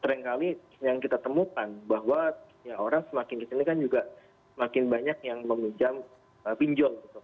seringkali yang kita temukan bahwa orang semakin kesini kan juga makin banyak yang meminjam pinjol